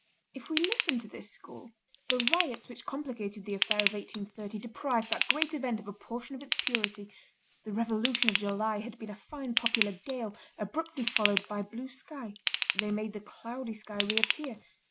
If we listen to this school, "The riots which complicated the affair of 1830 deprived that great event of a portion of its purity. The Revolution of July had been a fine popular gale, abruptly followed by blue sky. They made the cloudy sky reappear.